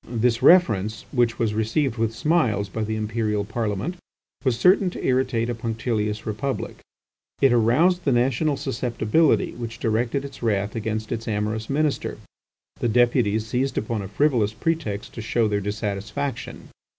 This reference, which was received with smiles by the Imperial Parliament, was certain to irritate a punctilious republic. It aroused the national susceptibility, which directed its wrath against its amorous Minister. The Deputies seized upon a frivolous pretext to show their dissatisfaction.